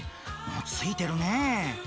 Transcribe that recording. ついてるね。